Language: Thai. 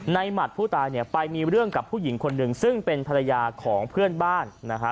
หมัดผู้ตายเนี่ยไปมีเรื่องกับผู้หญิงคนหนึ่งซึ่งเป็นภรรยาของเพื่อนบ้านนะฮะ